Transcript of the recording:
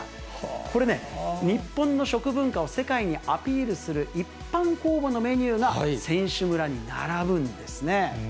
これね、日本の食文化を世界にアピールする一般公募のメニューが、選手村に並ぶんですね。